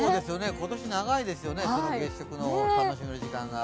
今年、長いですよね、月食の楽しめる時間が。